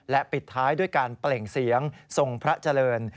ปิดท้ายด้วยการเปล่งเสียงทรงพระเจริญ